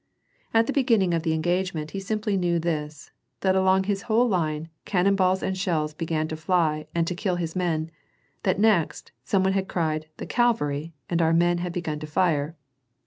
At the beginning of the engagement he simply knew this : that along his whole line, cannon balls and shells began to fly and to kill his men, that next, some one had cried "the cavalry," and our men had begun to fire.